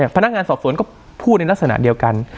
พนักงานสอบสวนก็พูดในลักษณะเดียวกัน